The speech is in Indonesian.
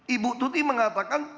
ibu tuti mengatakan